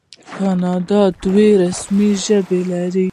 کاناډا دوه رسمي ژبې لري.